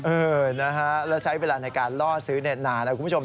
เออนะฮะแล้วใช้เวลาในการล่อซื้อนานนะคุณผู้ชม